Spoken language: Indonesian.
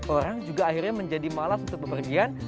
orang juga akhirnya menjadi malas untuk bepergian